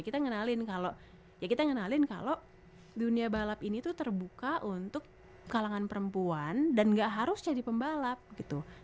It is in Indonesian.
kita ngenalin kalau ya kita ngenalin kalau dunia balap ini tuh terbuka untuk kalangan perempuan dan gak harus jadi pembalap gitu